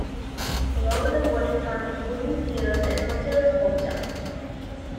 Along the waterfront, wooden piers and hotels popped up.